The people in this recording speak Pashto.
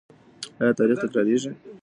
آیا تاریخ تکراریږي؟